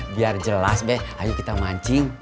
biar jelas deh ayo kita mancing